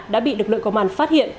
đã bị lực lượng công an phát hiện